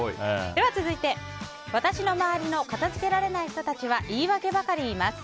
続いて私の周りの片付けられない人たちは言い訳ばかり言います。